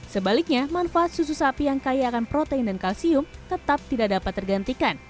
sebaliknya manfaat susu sapi yang kaya akan protein dan kalsium tetap tidak dapat tergantikan